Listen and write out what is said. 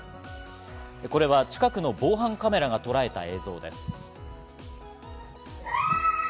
これは近くの防犯カメラがとらえた映像です。